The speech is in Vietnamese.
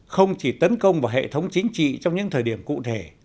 không chỉ tấn công vào hệ thống chính trị trong những thời điểm cụ thể